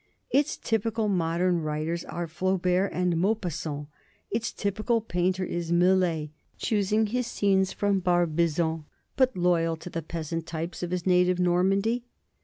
Its typical modern writers are Flaubert and Maupassant; its typical painter is Millet, choosing his scenes from Barbizon, but loyal to the peasant types of his native Normandy.